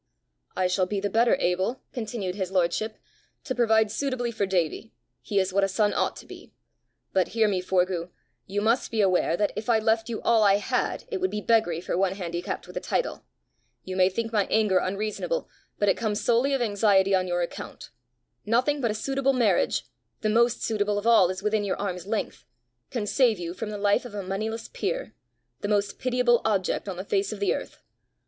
"I shall be the better able," continued his lordship, "to provide suitably for Davie; he is what a son ought to be! But hear me, Forgue: you must be aware that, if I left you all I had, it would be beggary for one handicapped with a title. You may think my anger unreasonable, but it comes solely of anxiety on your account. Nothing but a suitable marriage the most suitable of all is within your arm's length can save you from the life of a moneyless peer the most pitiable object on the face of the earth.